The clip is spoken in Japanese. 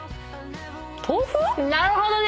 なるほどね！